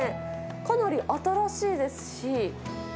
かなり新しいですし。